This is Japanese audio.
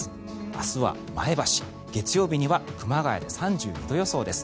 明日は前橋、月曜日には熊谷で３２度予想です。